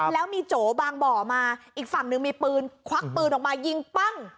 แล้วมีโจบางบ่อมาอีกฝั่งหนึ่งมีปืนควักปืนออกมายิงปั้ง